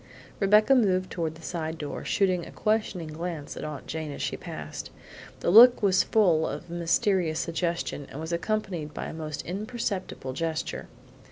Rebecca moved toward the side door, shooting a questioning glance at Aunt Jane as she passed. The look was full of mysterious suggestion and was accompanied by an almost imperceptible gesture.